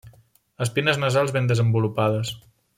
Espines nasals ben desenvolupades.